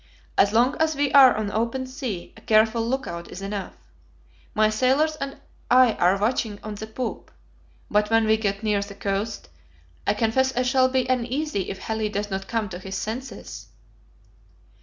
As long as we are on open sea, a careful lookout is enough; my sailors and I are watching on the poop; but when we get near the coast, I confess I shall be uneasy if Halley does not come to his senses."